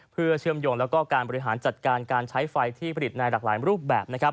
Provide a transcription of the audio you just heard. เพื่อเชื่อมโยงแล้วก็การบริหารจัดการการใช้ไฟที่ผลิตในหลากหลายรูปแบบ